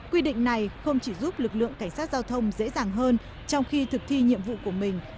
quy định này không chỉ giúp lực lượng cảnh sát giao thông dễ dàng hơn trong khi thực thi nhiệm vụ của mình